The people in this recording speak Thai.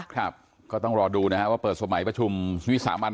ครับก็ต้องรอดูนะครับว่าเปิดสมัยประชุมวิสามัน